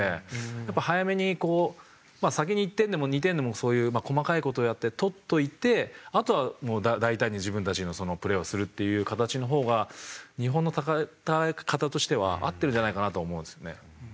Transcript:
やっぱ早めにこうまあ先に１点でも２点でもそういう細かい事をやって取っといてあとは大胆に自分たちのプレーをするっていう形の方が日本の戦い方としては合ってるんじゃないかなと思うんですよね。